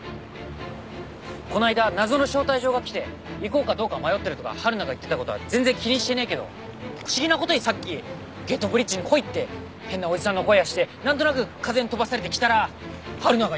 こないだ謎の招待状が来て行こうかどうか迷ってるとかはるなが言ってた事は全然気にしてねえけど不思議な事にさっき「ゲートブリッジに来い」って変なおじさんの声がしてなんとなく風に飛ばされて来たらはるながいたんだ。